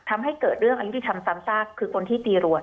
ทำให้เกิดเรื่องอยุติธรรมซ้ำซากคือคนที่ตีรัว